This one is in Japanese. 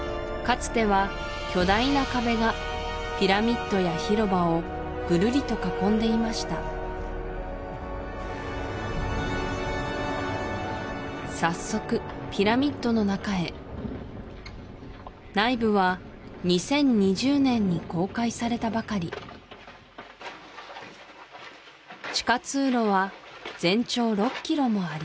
つては巨大な壁がピラミッドや広場をぐるりと囲んでいました早速ピラミッドの中へ内部は２０２０年に公開されたばかりもあります